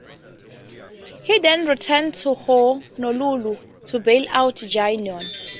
He then returned to Honolulu, to bail out Janion.